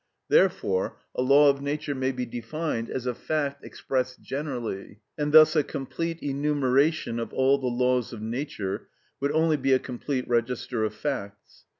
Therefore a law of nature may be defined as a fact expressed generally—un fait généralisé—and thus a complete enumeration of all the laws of nature would only be a complete register of facts.